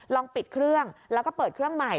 ลองปิดเครื่องแล้วก็เปิดเครื่องใหม่